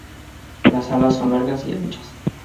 Las alas son largas y anchas.